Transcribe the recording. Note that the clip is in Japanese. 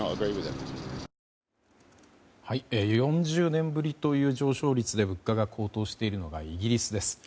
４０年ぶりという上昇率で物価が高騰しているのがイギリスです。